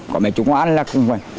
có mẹ chủ công an là cũng vậy